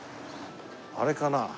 あれかな？